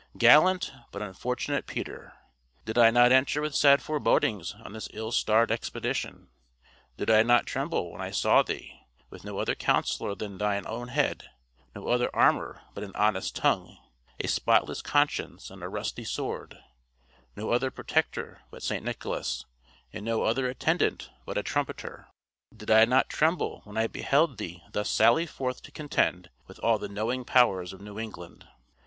Gallant, but unfortunate Peter! Did I not enter with sad forebodings on this ill starred expedition? Did I not tremble when I saw thee, with no other councillor than thine own head; no other armour but an honest tongue, a spotless conscience, and a rusty sword; no other protector but St. Nicholas, and no other attendant but a trumpeter did I not tremble when I beheld thee thus sally forth to contend with all the knowing powers of New England?